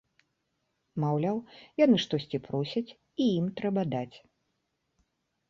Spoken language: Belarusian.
Маўляў, яны штосьці просяць, і ім трэба даць.